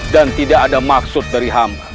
dan tidak ada maksud dari hamba